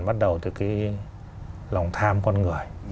bắt đầu từ cái lòng tham con người